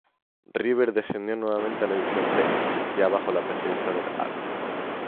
River descendió nuevamente a la División B, ya bajo la presidencia del Arq.